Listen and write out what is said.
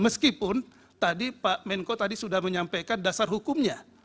meskipun tadi pak menko tadi sudah menyampaikan dasar hukumnya